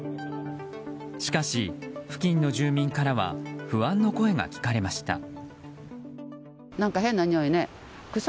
しかし、付近の住民からは不安の声が聞かれました。